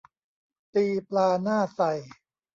ตีปลาหน้าไซ